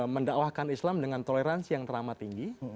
mendakwakan islam dengan toleransi yang teramat tinggi